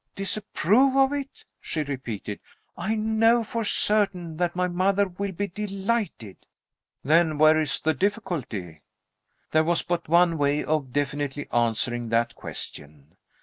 "Disapprove of it?" she repeated. "I know for certain that my mother will be delighted." "Then where is the difficulty?" There was but one way of definitely answering that question.